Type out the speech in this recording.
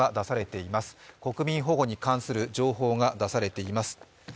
国民保護に関する情報が出されています。